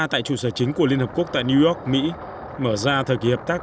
tại chủ sở chính của liên hợp quốc tại new york mỹ mở ra thời kỳ hợp tác